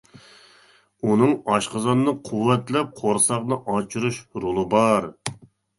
ئۇنىڭ ئاشقازاننى قۇۋۋەتلەپ، قورساقنى ئاچۇرۇش رولى بار.